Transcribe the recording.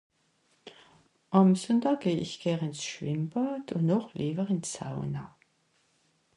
Àm Sùnndaa geh ich ger ìns Schwimmbàd ùn noch lìewer ìn d'Sauna.